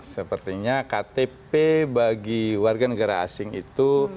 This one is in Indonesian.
sepertinya ktp bagi warga negara asing itu